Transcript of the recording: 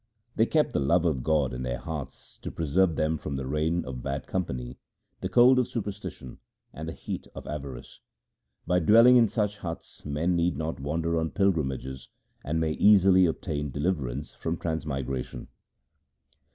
They kept the love of God in their hearts to preserve them from the rain of bad com pany, the cold of superstition, and the heat of avarice. By dwelling in such huts men need not wander on pilgrimages, and may easily obtain deliverance from transmigration.'